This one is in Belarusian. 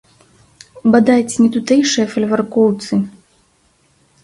Бадай, ці нетутэйшыя фальваркоўцы.